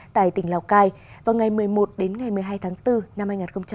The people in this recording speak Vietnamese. tại tỉnh lào cai vào ngày một mươi một đến ngày một mươi hai tháng bốn năm hai nghìn hai mươi